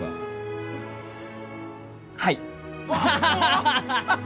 はい。